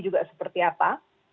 juga seperti apa